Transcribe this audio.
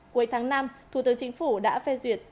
cuối tháng năm thủ tướng chính phủ đã phê duyệt